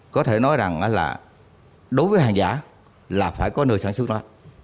có thể nói rằng là đối với hàng giả là phải có nơi sản xuất đó